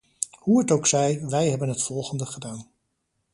Hoe het ook zij, wij hebben het volgende gedaan.